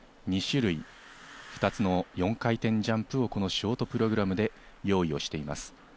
２種類、２つの４回転ジャンプをこのショートプログラムで用意しています。